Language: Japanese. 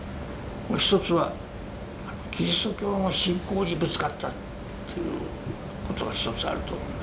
一つはキリスト教の信仰にぶつかったっていうことが一つあると思うんだ。